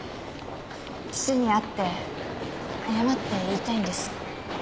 父に会って謝って言いたいんです。